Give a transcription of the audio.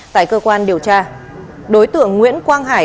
tại cơ quan điều tra đối tượng nguyễn quang hải